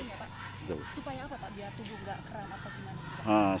supaya apa pak biar tubuh nggak keren atau gimana